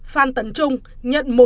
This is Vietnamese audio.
phan tấn trung nhận một một tỷ đồng